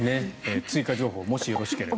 追加情報もしよろしければ。